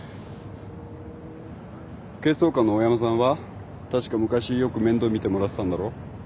警視総監の大山さんは確か昔よく面倒見てもらってたんだろ？